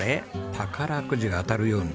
「宝くじがあたるように」。